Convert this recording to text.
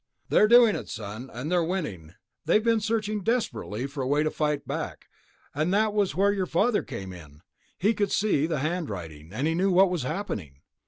"They're doing it, son. And they're winning. We have been searching desperately for a way to fight back, and that was where your father came in. He could see the handwriting, he knew what was happening.